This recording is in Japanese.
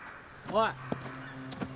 おい！